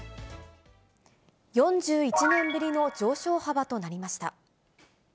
４１年ぶりの上昇幅となりました。